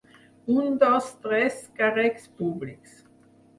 Un, dos, tres càrrecs públics.